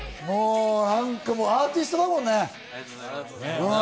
もうアーティストだもんね。